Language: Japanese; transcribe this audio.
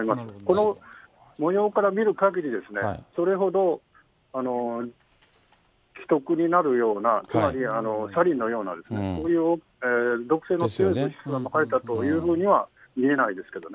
このもようから見るかぎりですね、それほど危篤になるようなつまり、サリンのようなそういう毒性の強い物質がまかれたというふうには見えないですけどね。